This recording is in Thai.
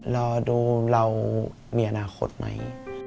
รอดูเรามีอนาคตไหม